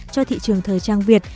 cho thị trường thời trang việt